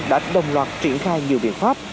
đã đồng loạt triển khai nhiều biện pháp